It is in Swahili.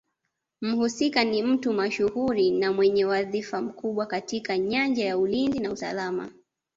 Mhusika ni mtu mashuhuri na mwenye wadhifa mkubwa katika nyanja ya ulinzi na usalama